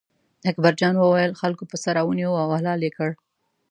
اکبر جان وویل: خلکو پسه را ونیوه او حلال یې کړ.